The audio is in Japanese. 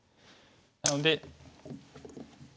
なので。